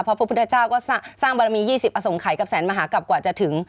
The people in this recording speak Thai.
พระพุทธเจ้าก็สร้างบารมี๒๐องไขกับแสนมหากลับกว่าจะถึง